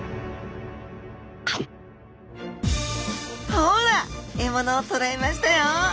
ほら獲物を捕らえましたよ！